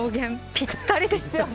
ぴったりですよね。